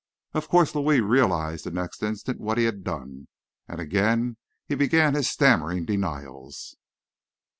Of course Louis realized the next instant what he had done, and again he began his stammering denials.